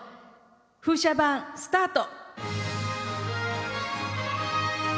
風車盤スタート！